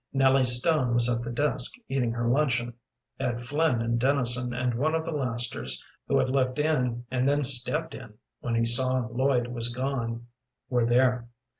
Nellie Stone was at the desk eating her luncheon; Ed Flynn and Dennison and one of the lasters, who had looked in and then stepped in when he saw Lloyd was gone, were there.